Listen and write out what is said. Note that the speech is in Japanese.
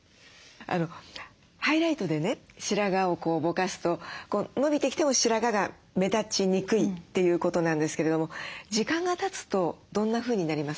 ハイライトでね白髪をぼかすと伸びてきても白髪が目立ちにくいということなんですけれども時間がたつとどんなふうになりますか？